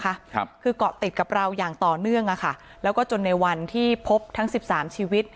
ครับคือเกาะติดกับเราอย่างต่อเนื่องอ่ะค่ะแล้วก็จนในวันที่พบทั้งสิบสามชีวิต